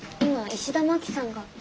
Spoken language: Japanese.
今石田真紀さんが。